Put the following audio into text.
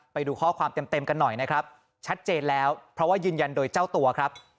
ไปดูข้อความเต็มกันหน่อยนะครับชัดเจนแล้วเพราะว่ายืนยันโดยเจ้าตัวครับ